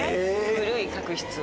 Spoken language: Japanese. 古い角質を。